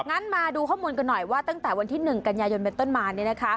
งั้นมาดูข้อมูลกันหน่อยว่าตั้งแต่วันที่๑กันยายนเป็นต้นมา